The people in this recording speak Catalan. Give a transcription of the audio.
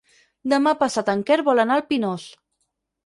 Demà passat en Quer vol anar al Pinós.